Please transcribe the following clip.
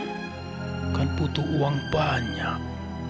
bukan butuh uang banyak